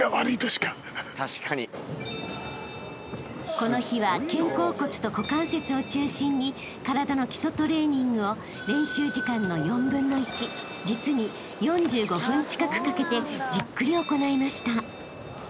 ［この日は肩甲骨と股関節を中心に体の基礎トレーニングを練習時間の４分の１実に４５分近くかけてじっくり行いました］